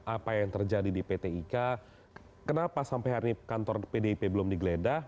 apa yang terjadi di pt ika kenapa sampai hari ini kantor pdip belum digeledah